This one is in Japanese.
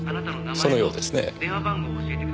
そのようですね。